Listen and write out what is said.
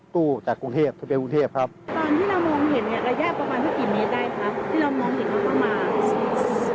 ที่เรามองเห็นเขาประมาณ